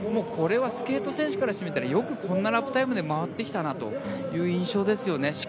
スケート選手からしてみればよくこんなラップタイムで回ってきたなという印象ですね。